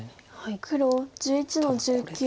黒１１の十九。